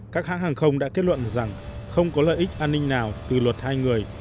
các hãng hàng không đã kết luận rằng không có lợi ích an ninh nào từ luật hai người